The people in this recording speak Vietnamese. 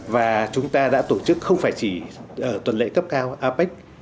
và chúng ta đã tổ chức không phải chỉ ở tuần lễ cấp cao apec